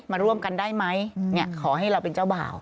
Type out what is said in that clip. มาร่วมกันได้ไหมขอให้เราเป็นเจ้าบ่าว